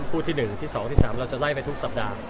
ที่๑ที่๒ที่๓เราจะไล่ไปทุกสัปดาห์